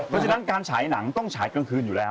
เพราะฉะนั้นการฉายหนังต้องฉายกลางคืนอยู่แล้ว